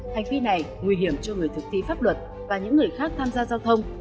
hành vi này nguy hiểm cho người thực thi pháp luật và những người khác tham gia giao thông